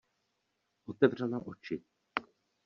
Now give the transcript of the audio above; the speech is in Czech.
Otevřela oči.